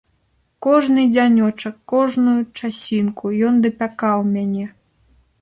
Кожны дзянёчак, кожную часінку ён дапякаў мяне.